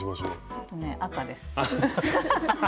えっとね赤です。